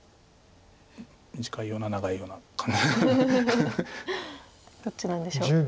短いような長いような。どっちなんでしょう。